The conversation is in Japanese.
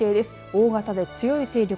大型で強い勢力